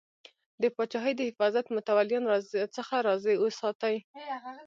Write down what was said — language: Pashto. د پاچاهۍ د حفاظت متولیان راڅخه راضي وساتې.